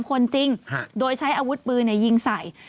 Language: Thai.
คนจริงโดยใช้อาวุธปืนยิงใส่